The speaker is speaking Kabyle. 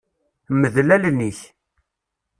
Mdel allen-ik.